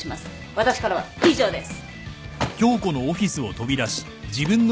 私からは以上です。